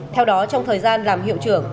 theo đó trong thời gian làm hiệu trưởng